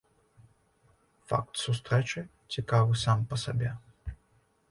Факт сустрэчы цікавы сам па сабе.